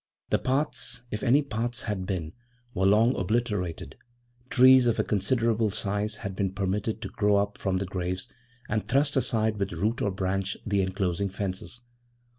The paths, if any paths had been, were long obliterated; trees of a considerable size had been permitted to grow up from the graves and thrust aside with root or branch the enclosing fences.